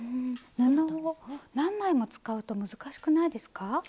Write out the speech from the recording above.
布を何枚も使うと難しくないですか？